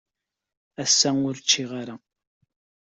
Ass-a, ur ččiɣ ara.